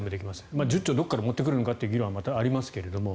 どこから持ってくるのかという議論もありますが。